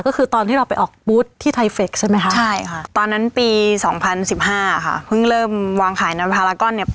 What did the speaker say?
ก็คือตอนที่เราไปออกบูธที่ไทเฟคใช่ไหมคะใช่ค่ะ